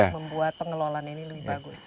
untuk membuat pengelolaan ini lebih bagus